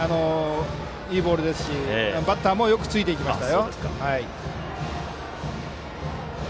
いいボールですしバッターもよくついていきました。